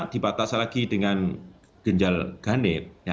dibatasi lagi dengan ganjil genap